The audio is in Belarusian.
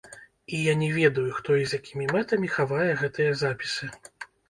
І я не ведаю, хто і з якімі мэтамі хавае гэтыя запісы.